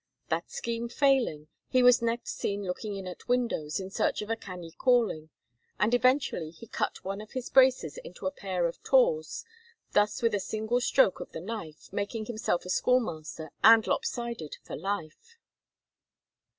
That scheme failing, he was next seen looking in at windows in search of a canny calling, and eventually he cut one of his braces into a pair of tawse, thus with a single stroke of the knife, making himself a school master and lop sided for life.